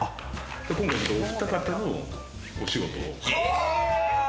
今回、お二方のお仕事を。